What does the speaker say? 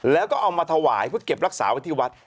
แล้วก็เอามาถวายเพื่อเก็บรักษาไว้ที่วัด